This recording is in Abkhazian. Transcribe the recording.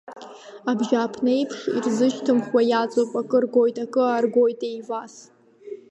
Абжьааԥнеиԥш, ирзышьҭымхуа иаҵоуп, акы ргоит, акы ааргоит еивас.